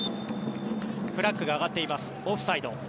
フラッグが上がっていますオフサイド。